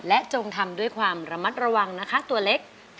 จงทำด้วยความระมัดระวังนะคะตัวเล็ก